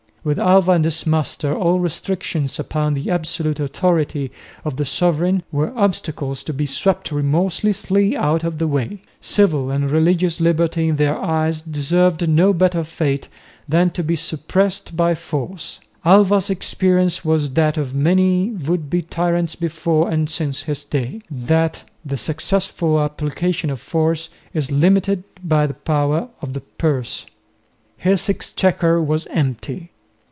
With Alva and his master all restrictions upon the absolute authority of the sovereign were obstacles to be swept remorselessly out of the way; civil and religious liberty in their eyes deserved no better fate than to be suppressed by force. Alva's experience was that of many would be tyrants before and since his day, that the successful application of force is limited by the power of the purse. His exchequer was empty.